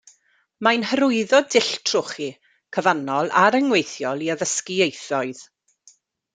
Mae'n hyrwyddo dull trochi, cyfannol a rhyngweithiol i addysgu ieithoedd.